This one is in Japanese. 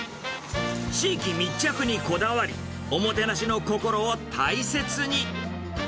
地域密着にこだわり、おもてなしの心を大切に。